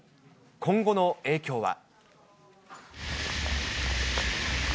今後の影響は。